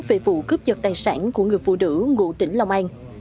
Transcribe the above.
về vụ cướp vật tài sản của người phụ nữ ngụ tỉnh lòng an